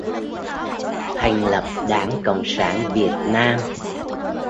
Thành lập Đảng Cộng sản Việt Nam